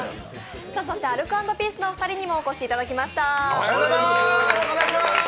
そしてアルコ＆ピースのお二人にもお越しいただきました。